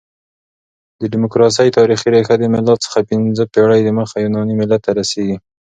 د ډیموکراسۍ تاریخي ریښه د مېلاد څخه پنځه پېړۍ دمخه يوناني ملت ته رسیږي.